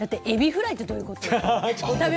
「エビフライ」ってどういうこと？